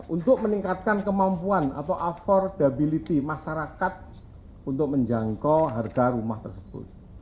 untuk meningkatkan kemampuan atau affordability masyarakat untuk menjangkau harga rumah tersebut